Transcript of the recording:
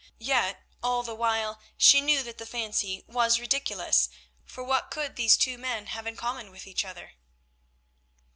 Yet all the while she knew that the fancy was ridiculous, for what could these two men have in common with each other?